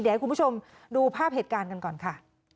เดี๋ยวให้คุณผู้ชมดูภาพเหตุการณ์กันก่อนค่ะ